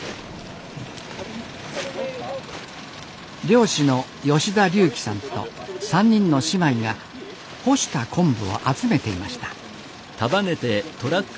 漁師の吉田龍希さんと３人の姉妹が干した昆布を集めていました。